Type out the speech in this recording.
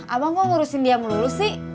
abang gue ngurusin dia melulu sih